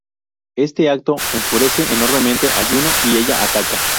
Este acto enfurece enormemente a Yuno y ella ataca.